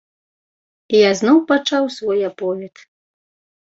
Я зноў пачаў свой аповед.